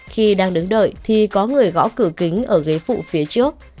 khi đang đứng đợi thì có người gõ cửa kính ở ghế phụ phía trước